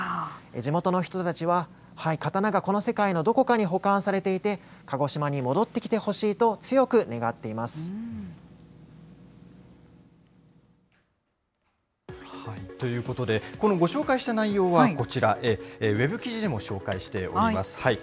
地元の人たちは、刀がこの世界のどこかに保管されていて、鹿児島に戻ってきてほしいと強く願ってということで、ご紹介した内容はこちら、ウェブ記事でも紹介しております。